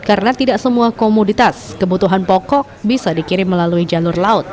karena tidak semua komoditas kebutuhan pokok bisa dikirim melalui jalur laut